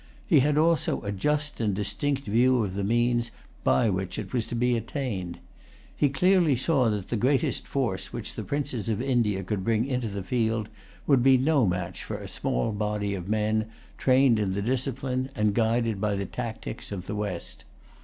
He had also a just and distinct view of the means by which it was to be attained. He clearly saw that the greatest force which the princes of India could bring into the field would be no match for a small body of men trained in the discipline, and guided by the tactics, of the West.